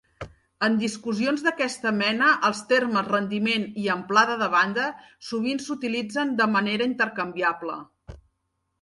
En discussions d'aquesta mena els termes "rendiment" i "amplada de banda" sovint s'utilitzen de manera intercanviable.